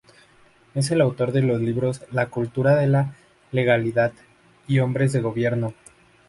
Es autor de los libros "La cultura de la legalidad" y "Hombres de Gobierno".